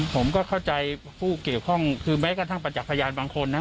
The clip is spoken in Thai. ผมก็เข้าใจผู้เกี่ยวข้องคือแม้กระทั่งประจักษ์พยานบางคนนะ